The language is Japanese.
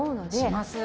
します。